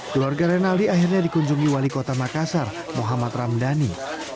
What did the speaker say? keluarga renaldi akhirnya dikunjungi wali kota makassar muhammad ramdhani